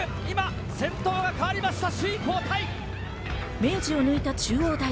明治を抜いた中央大。